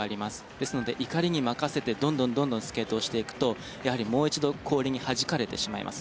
ですので怒りに任せてどんどんスケートをしていくとやはりもう一度氷にはじかれてしまいます。